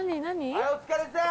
はいお疲れさん。